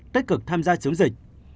tích cực tham gia chống dịch